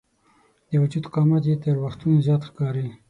د وجود قامت یې تر وختونو زیات ښکاري.